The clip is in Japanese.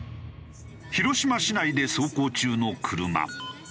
広島市内で走行中の車。